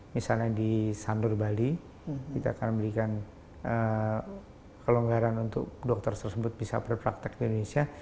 misalnya di sandur bali kita akan memberikan kelonggaran untuk dokter tersebut bisa berpraktek di indonesia